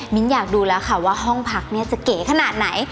นิ้นอยากดูแล้วค่ะว่าห้องพักจะเก๋ขนาดไหน